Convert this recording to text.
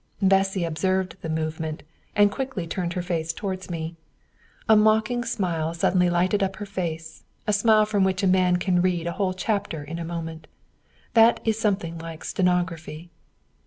Bessy observed the movement, and quickly turned her face towards me. A mocking smile suddenly lighted up her face, a smile from which a man can read a whole chapter in a moment. That is something like stenography.